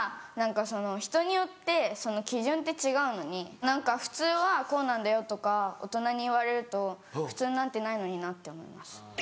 人によって基準って違うのに「普通はこうなんだよ」とか大人に言われると普通なんてないのになって思います。